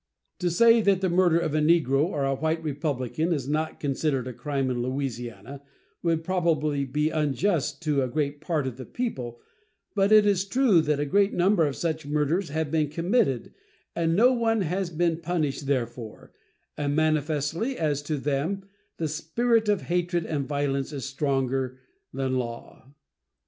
To say that the murder of a negro or a white Republican is not considered a crime in Louisiana would probably be unjust to a great part of the people, but it is true that a great number of such murders have been committed and no one has been punished therefor; and manifestly, as to them, the spirit of hatred and violence is stronger than law.